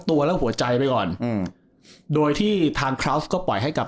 ตัวและหัวใจไปก่อนอืมโดยที่ทางคราวส์ก็ปล่อยให้กับ